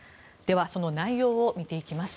その内容を見ていきます。